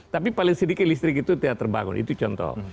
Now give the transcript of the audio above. tapi paling sedikit listrik itu tidak terbangun itu contoh